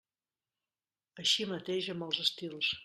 Així mateix amb els estils.